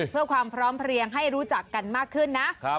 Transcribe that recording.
เพื่อความพร้อมเพลียงให้รู้จักกันมากขึ้นนะ